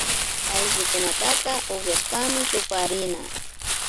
Ayllukunataka ukllashpami tuparina